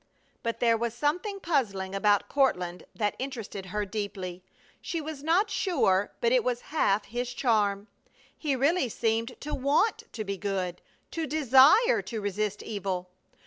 But there was something puzzling about Courtland that interested her deeply. She was not sure but it was half his charm. He really seemed to want to be good, to desire to resist evil.